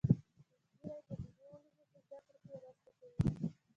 سپین ږیری د دیني علومو په زده کړه کې مرسته کوي